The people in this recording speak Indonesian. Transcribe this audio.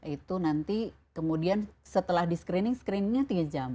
itu nanti kemudian setelah di screening screeningnya tiga jam